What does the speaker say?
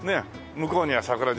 向こうには桜島